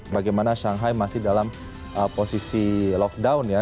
bagaimana shanghai masih dalam posisi lockdown ya